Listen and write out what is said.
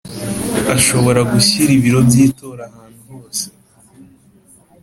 ashobora gushyira ibiro by itora ahantu hose